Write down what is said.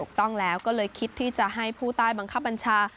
ถูกต้องแล้วก็เลยคิดที่จะให้ผู้ใต้บังคับบัญชา